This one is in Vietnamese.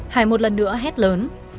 hải một lần nữa hét lớn